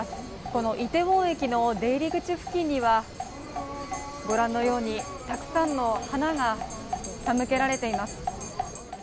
そのイテウォン駅の出入り口付近にはご覧のようにたくさんの花が手向けられています。